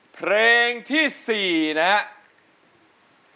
เพลงที่๔นะฮะ